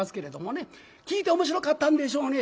聞いて面白かったんでしょうね。